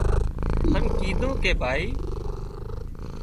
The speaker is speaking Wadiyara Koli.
هانَ ڪيڌون ڪي ڀائي